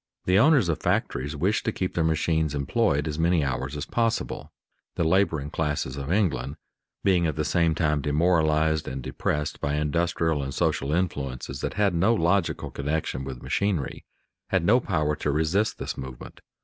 The owners of factories wished to keep their machines employed as many hours as possible; the laboring classes of England, being at the same time demoralized and depressed by industrial and social influences that had no logical connection with machinery, had no power to resist this movement.